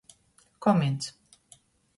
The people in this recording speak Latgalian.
Komins.